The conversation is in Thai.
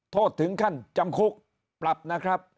โทษถึงขั้นจำคุกปรับนะครับ